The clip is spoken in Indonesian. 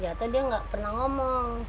atau dia nggak pernah ngomong